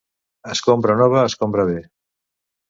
Escombra nova escombra bé.